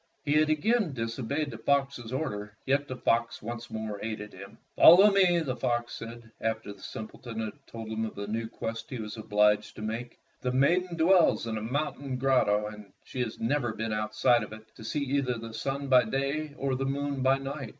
He had again disobeyed the fox's orders, yet the fox once more aided him. "Follow me," the fox said, after the simpleton had told him of the new quest he was obliged to make. "The maiden dwells in a mountain grotto, and she has never been outside of it to see either the sun by day or the moon by night."